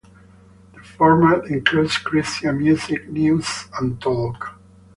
The format includes Christian music, news and talk.